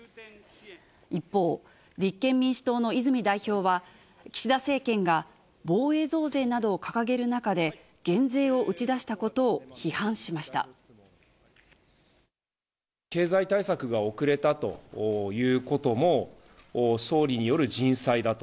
一方、立憲民主党の泉代表は、岸田政権が防衛増税などを掲げる中で、減税を打ち出したことを批経済対策が遅れたということも、総理による人災だと。